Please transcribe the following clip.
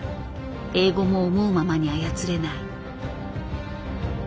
英語も思うままに操れない。